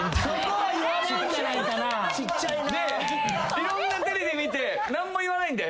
いろんなテレビ見て何も言わないんで。